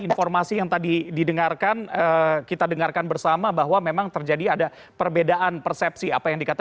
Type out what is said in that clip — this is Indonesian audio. ibu kusmiati boleh kami mengalami kendala siklopati